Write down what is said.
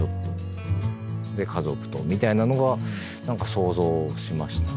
で家族とみたいなのが何か想像しましたね。